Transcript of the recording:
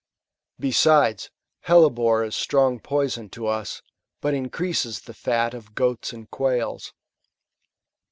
Besides, hellebore id atroiig poieon to us, but increases the fat of goats and quails.